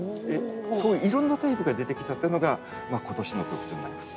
すごいいろんなタイプが出てきたっていうのが今年の特徴になります。